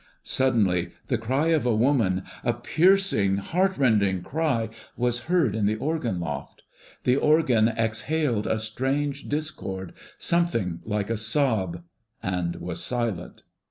Suddenly, the cry of a woman, a piercing, heart rending cry, was heard in the organ loft. The organ exhaled a strange discord, something like a sob, and was silent.